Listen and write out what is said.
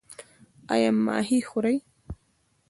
ایا ماهي خورئ؟